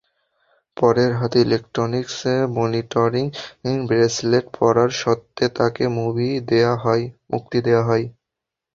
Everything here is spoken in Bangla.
পরে হাতে ইলেকট্রনিক মনিটরিং ব্রেসলেট পরার শর্তে তাকে মুক্তি দেওয়া হয়।